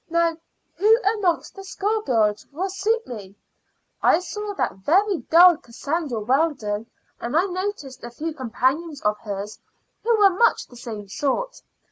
Now, who amongst the schoolgirls will suit me? I saw that very dull Cassandra Weldon, and I noticed a few companions of hers who were much the same sort.